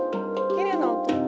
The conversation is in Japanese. きれいな音。